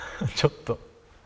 ちょっと。